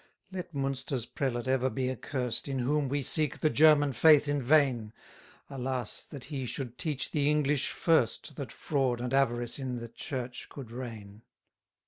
37 Let Munster's prelate ever be accurst, In whom we seek the German faith in vain: Alas, that he should teach the English first, That fraud and avarice in the Church could reign!